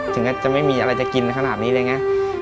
ถึงกันจะไม่มีทางมากกกี่ถ้าน่ะ